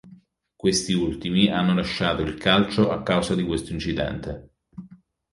Questi ultimi hanno lasciato il calcio a causa di questo incidente.